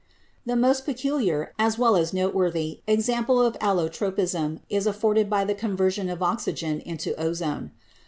The most peculiar, as well as noteworthy, example of allotropism is afforded by the conversion of oxygen into ozone.